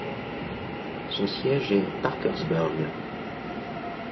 Son siège est Parkersburg.